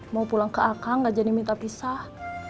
mau pulang ke akang gak jadi minta pisah